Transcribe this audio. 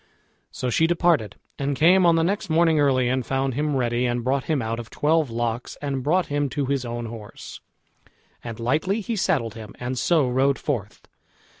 So she departed, and came on the next morning early and found him ready, and brought him out of twelve locks, and brought him to his own horse, and lightly he saddled him, and so rode forth.